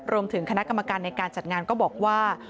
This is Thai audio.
รวมถึงคณะกรรมการในการจัดงานก็บอกว่า